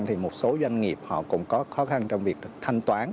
thì một số doanh nghiệp họ cũng có khó khăn trong việc thanh toán